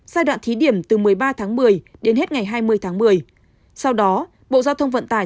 giai đoạn thí điểm từ một mươi ba tháng một mươi đến hết ngày hai mươi tháng một mươi sau đó bộ giao thông vận tải